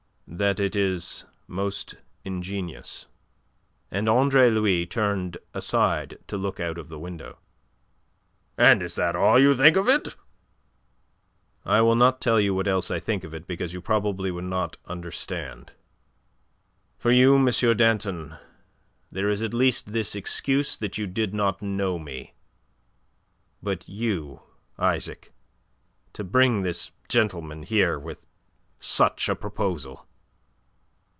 "That it is most ingenious." And Andre Louis turned aside to look out of the window. "And is that all you think of it?" "I will not tell you what else I think of it because you probably would not understand. For you, M. Danton, there is at least this excuse that you did not know me. But you, Isaac to bring this gentleman here with such a proposal!"